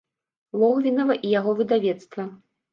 Логвінава і яго выдавецтва.